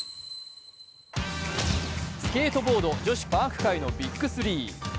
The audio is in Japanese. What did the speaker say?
スケートボード女子パーク界のビッグスリー。